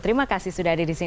terima kasih sudah ada di sini